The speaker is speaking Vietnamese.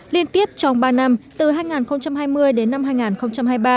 liên tiếp trong ba năm từ hai nghìn hai mươi đến năm hai nghìn hai mươi ba